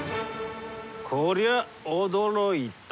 こりゃ驚いた。